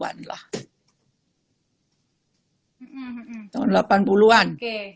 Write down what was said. hai tahun delapan puluh an